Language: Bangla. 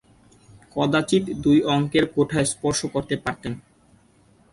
কদাচিৎ দুই অঙ্কের কোঠায় স্পর্শ করতে পারতেন।